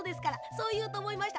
そういうとおもいました。